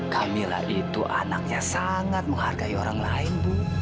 kak mila itu anaknya sangat menghargai orang lain bu